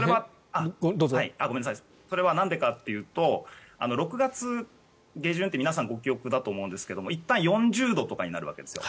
それはなんでかというと６月下旬って皆さんご記憶だと思うんですがいったん４０度とかになるわけですよ。